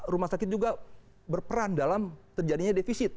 rumah sakit juga berperan dalam terjadinya defisit